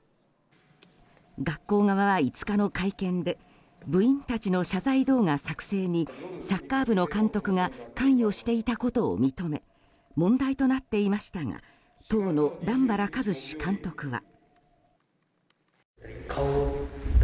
学校側は５日の会見で部員たちの謝罪動画作成にサッカー部の監督が関与していたことを認め問題となっていましたが当の段原一詞監督は。